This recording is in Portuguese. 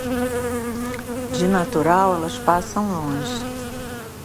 De natural, elas passam longe.